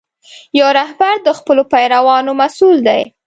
یو رهبر د خپلو پیروانو مسؤل دی.